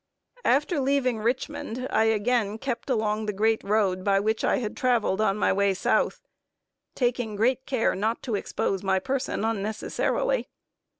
After leaving Richmond, I again kept along the great road by which I had traveled on my way South, taking great care not to expose my person unnecessarily.